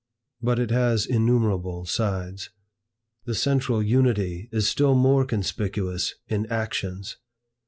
But it has innumerable sides. The central Unity is still more conspicuous in actions.